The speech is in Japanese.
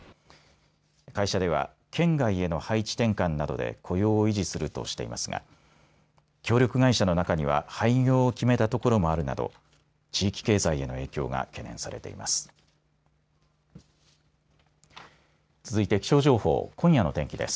会社では県外への配置転換などで雇用を維持するとしていますが協力会社の中には廃業を決めたところもあるなど地域経済への影響が懸念されています。